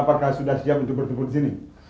apakah sudah siap untuk bertemu di sini